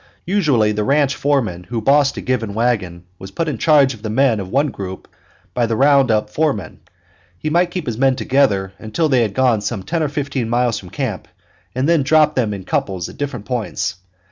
Usually the ranch foreman who bossed a given wagon was put in charge of the men of one group by the round up foreman; he might keep his men together until they had gone some ten or fifteen miles from camp, and then drop them in couples at different points.